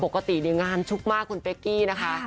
ปกติเนี้ยงานชุกมากคุณเป๊กกี้นะคะค่ะ